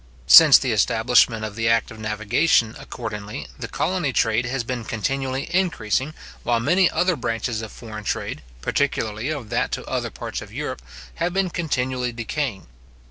Since the establishment of the act of navigation, accordingly, the colony trade has been continually increasing, while many other branches of foreign trade, particularly of that to other parts of Europe, have been continually decaying.